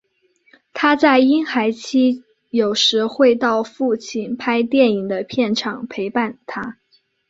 她在婴孩期有时会到父亲拍电影的片场陪伴他。